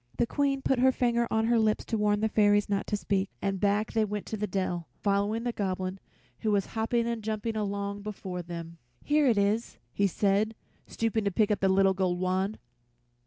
The Queen put her finger on her lips to warn the fairies not to speak, and back they went to the dell, following the Goblin, who was hopping and jumping along before them. "Here it is," he said, stooping to pick up a little gold wand.